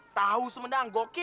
tahu semenang gokil